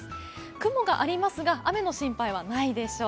雲がありますが、雨の心配はないでしょう。